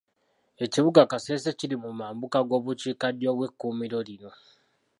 Ekibuga Kasese kiri mu mambuka g'obukiikaddyo bw'ekkuumiro lino